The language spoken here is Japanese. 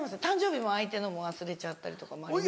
誕生日も相手のも忘れちゃったりとかも。